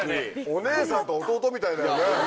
お姉さんと弟みたいだよね。